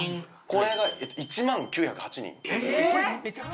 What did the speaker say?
これが１万９０８人えーっ！